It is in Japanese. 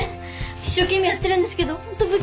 一生懸命やってるんですけどホント不器用で。